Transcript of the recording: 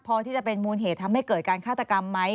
พอที่จะเป็นมูลเหตุทำให้เกิดการฆาตกรรมไหม